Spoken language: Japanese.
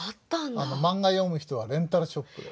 マンガ読む人はレンタルショップで。